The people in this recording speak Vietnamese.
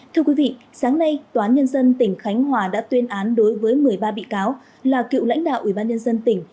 thưa quý vị sáng nay toán nhân dân tỉnh khánh hòa đã tuyên án đối với một mươi ba bị cáo là cựu lãnh đạo ủy ban nhân dân tỉnh